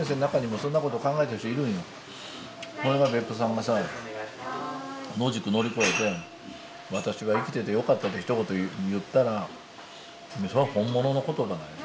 それが別府さんがさ野宿乗り越えて「私は生きててよかった」ってひと言言ったらそれは本物の言葉。